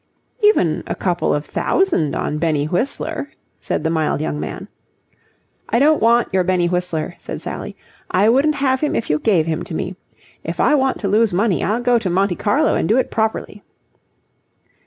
"Even a couple of thousand on Benny Whistler..." said the mild young man. "I don't want your Benny Whistler," said Sally. "I wouldn't have him if you gave him to me. If I want to lose money, I'll go to Monte Carlo and do it properly."